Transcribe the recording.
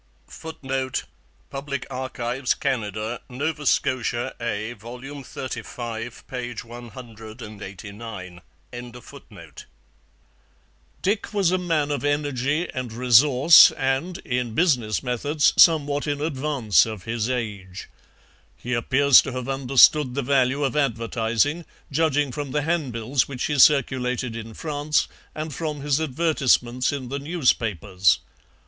[Footnote: Public Archives, Canada. Nova Scotia A, vol. xxxv, p. 189.] Dick was a man of energy and resource and, in business methods, somewhat in advance of his age. He appears to have understood the value of advertising, judging from the handbills which he circulated in France and from his advertisements in the newspapers.